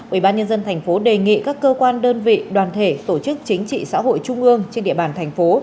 ubnd tp đề nghị các cơ quan đơn vị đoàn thể tổ chức chính trị xã hội trung ương trên địa bàn thành phố